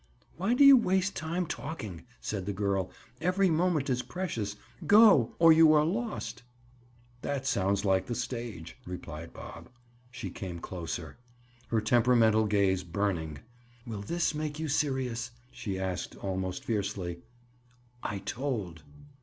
"Why do you waste time talking?" said the girl. "Every moment is precious. Go, or you are lost." "That sounds like the stage," replied Bob. She came closer, her temperamental gaze burning. "Will this make you serious?" she asked almost fiercely. "I told."